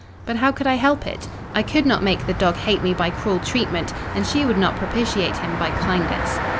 But how could I help it? I could not make the dog hate me by cruel treatment, and she would not propitiate him by kindness.